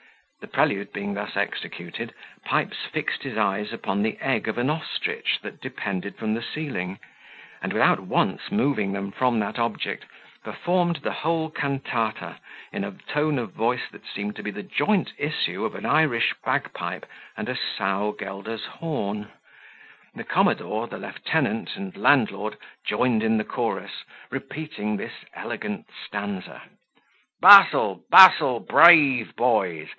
The prelude being thus executed, Pipes fixed his eyes upon the egg of an ostrich that depended from the ceiling, and without once moving them from that object, performed the whole cantata in a tone of voice that seemed to be the joint issue of an Irish bagpipe and a sow gelder's horn: the commodore, the lieutenant, and landlord, joined in the chorus, repeating this elegant stanza: Bustle, bustle, brave boys!